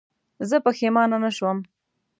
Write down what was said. زه پښېمانه نه شوم.